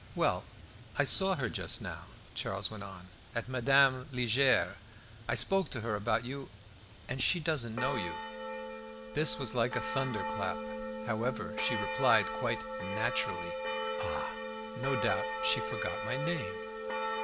"Well, I saw her just now," Charles went on, "at Madame Liegeard's. I spoke to her about you, and she doesn't know you." This was like a thunderclap. However, she replied quite naturally "Ah! no doubt she forgot my name."